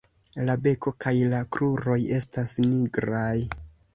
La beko kaj la kruroj estas nigraj.